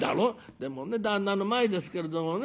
「でもね旦那の前ですけれどもね